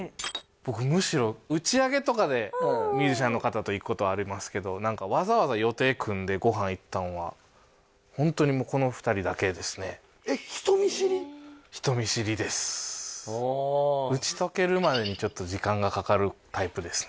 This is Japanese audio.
僕むしろ打ち上げとかでミュージシャンの方と行くことはありますけどわざわざ予定組んでご飯行ったんはホントにこの２人だけですね人見知り？打ち解けるまでにちょっと時間がかかるタイプですね